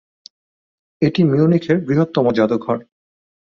এটি মিউনিখের বৃহত্তম যাদুঘর।